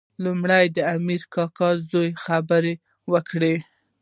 لومړی د امیر کاکا زوی خبرې وکړې.